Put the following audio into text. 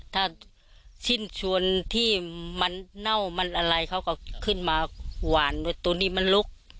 ถ้าสิ้นชวนที่มันเน่ามันอะไรเขาก็ขึ้นมาหวานรถตัวนี้มันลุก